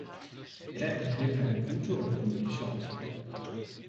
Er erhielt eine gute und gründliche Ausbildung.